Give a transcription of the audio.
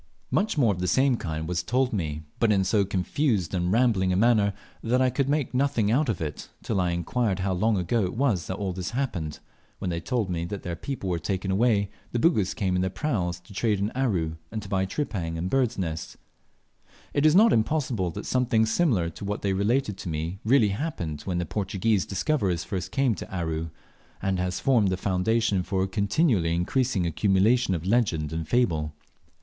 Much more of the same kind was told me, but in so confused and rambling a manner that I could make nothing out of it, till I inquired how long ago it was that all this happened, when they told me that after their people were taken away the Bugis came in their praus to trade in Aru, and to buy tripang and birds' nests. It is not impossible that something similar to what they related to me really happened when the early Portuguese discoverers first came to Aru, and has formed the foundation for a continually increasing accumulation of legend and fable.